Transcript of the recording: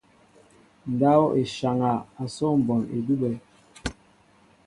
Ndáw e nsháŋa asó mbón edube.